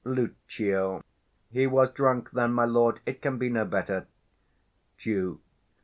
Lucio. He was drunk, then, my lord: it can be no better. _Duke.